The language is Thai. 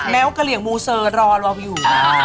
ว่ากะเหลี่ยงมูเซอร์รอเราอยู่